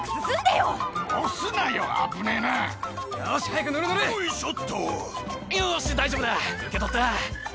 よし大丈夫だ受け取った！